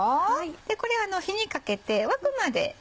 でこれ火にかけて沸くまでこのまま。